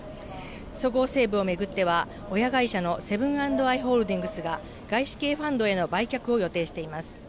そごう・西武を巡っては、親会社のセブン＆アイ・ホールディングスが外資系ファンドへの売却を予定しています。